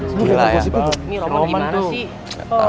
si roman dimana sih